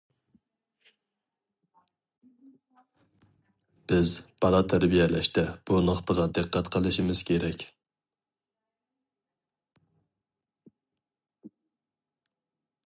بىز بالا تەربىيەلەشتە بۇ نۇقتىغا دىققەت قىلىشىمىز كېرەك.